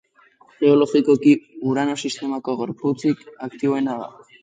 Geologikoki Urano sistemako gorputzik aktiboena da.